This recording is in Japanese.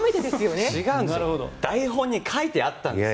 台本に書いてあったんです